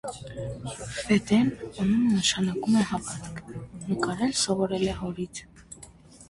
Ֆեդեն (անունը նշանակում է «հավատք») նկարել սովորել է հորից։